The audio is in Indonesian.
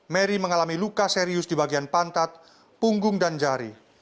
mary mengalami luka serius di bagian pantat punggung dan jari